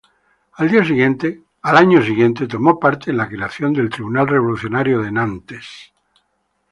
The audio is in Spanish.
Al año siguiente, tomó parte en la creación del Tribunal revolucionario de Nantes.